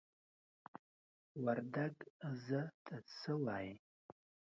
وردگ "ځه" ته "څَ" وايي.